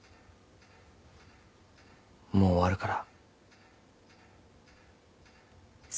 もう終わるから。